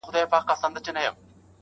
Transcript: o په ړنديانو کي چپک اغا دئ!